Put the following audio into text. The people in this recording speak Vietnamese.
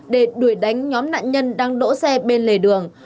để đuổi đánh nhóm nạn nhân đang đỗ xe bên lề đường